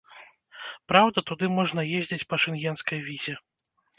Праўда, туды можна ездзіць па шэнгенскай візе.